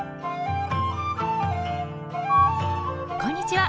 こんにちは！